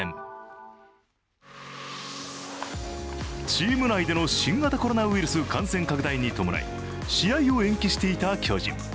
チーム内での新型コロナウイルス感染拡大に伴い試合を延期していた巨人。